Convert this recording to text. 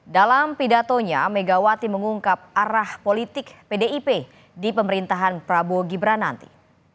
dalam pidatonya megawati mengungkap arah politik pdip di pemerintahan prabowo gibran nanti